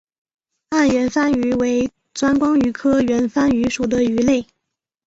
暗圆帆鱼为钻光鱼科圆帆鱼属的鱼类。